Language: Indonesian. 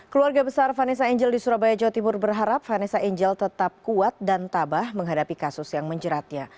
keluarga besar vanessa angel di surabaya jawa timur berharap vanessa angel tetap kuat dan tabah menghadapi kasus yang menjeratnya